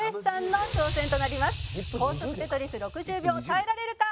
高速『テトリス』６０秒たえられるか？